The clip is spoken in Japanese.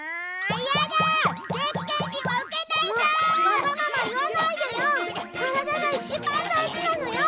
わがまま言わないでよ！